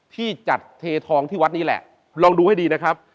ที่จัดเททองที่วัดนี้แหละลองดูให้ดีนะครับ